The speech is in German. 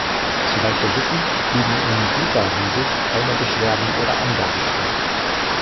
Soweit wir wissen, liegen in dieser Hinsicht keine Beschwerden oder Angaben vor.